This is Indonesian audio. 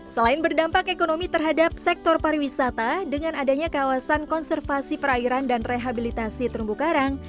selain berdampak ekonomi terhadap sektor pariwisata dengan adanya kawasan konservasi perairan dan rehabilitasi terumbu karang